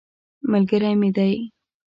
ملګری مې دی.